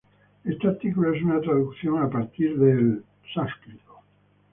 Este artículo es una traducción a partir del en